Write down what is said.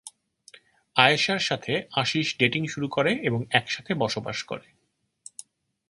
আয়েশার সাথে আশিষ ডেটিং শুরু করে এবং একসাথে বসবাস করে।